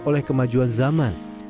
oleh kemajuan zaman